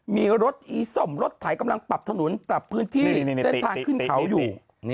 มีรถอีส้มรถไถกำลังปรับถนนปรับพื้นที่เส้นทางขึ้นเขาอยู่